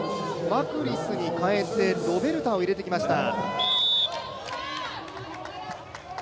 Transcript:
マクリスに代えてロベルタを入れてきました。